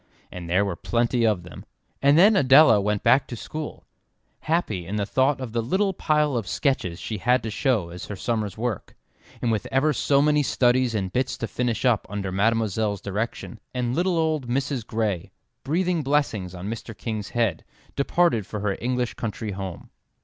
And there were plenty of them. And then Adela went back to school, happy in the thought of the little pile of sketches she had to show as her summer's work, and with ever so many studies and bits to finish up under Mademoiselle's direction; and little old Mrs. Gray, breathing blessings on Mr. King's head, departed for her English country home.